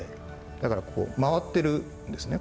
だからこう回ってるんですね